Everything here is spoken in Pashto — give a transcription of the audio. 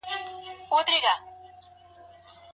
خاطب بايد د اټکلي نکاح له عواقبو خبر سي.